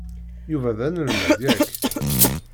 Yuba d anelmad, yak?